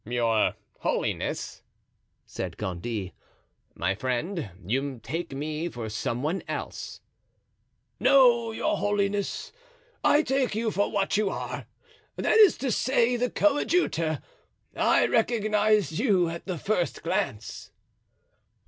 "Your holiness!" said Gondy; "my friend, you take me for some one else." "No, your holiness, I take you for what you are, that is to say, the coadjutor; I recognized you at the first glance."